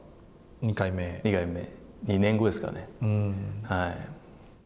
２回目、２年後ですからね。